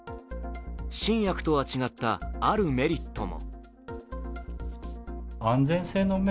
新薬とは違った、あるメリットも。